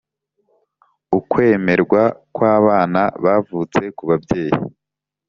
ukwemerwa kw abana bavutse ku babyeyi